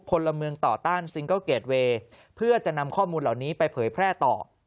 พลเมืองต่อต้านซิงเกิลเกรดเวย์เพื่อจะนำข้อมูลเหล่านี้ไปเผยแพร่ต่อ